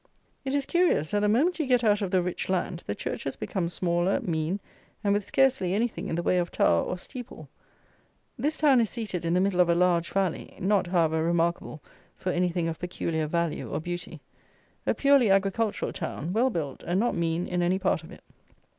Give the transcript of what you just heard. It is curious, that the moment you get out of the rich land, the churches become smaller, mean, and with scarcely anything in the way of tower or steeple. This town is seated in the middle of a large valley, not, however, remarkable for anything of peculiar value or beauty; a purely agricultural town; well built, and not mean in any part of it.